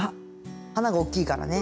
花がおっきいからね。